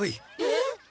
えっ？